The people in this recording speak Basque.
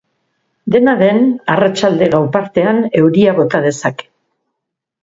Dena den, arratsalde-gau partean euria bota dezake.